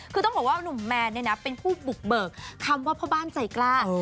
คือต้องบอกว่าหนุ่มแมนเป็นผู้บุกเบิกคำว่าพ่อบ้านใจกล้า